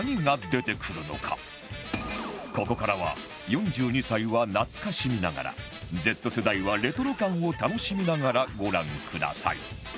ここからは４２歳は懐かしみながら Ｚ 世代はレトロ感を楽しみながらご覧ください